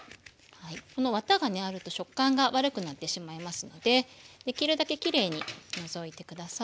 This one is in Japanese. このワタがねあると食感が悪くなってしまいますのでできるだけきれいに除いて下さい。